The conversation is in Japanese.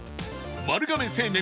丸亀製麺